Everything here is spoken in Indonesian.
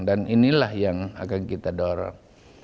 dan inilah yang akan kita dorong